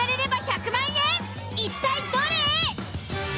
一体どれ？